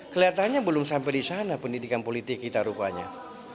kelihatannya belum sampai di sana pendidikan politik kita rupanya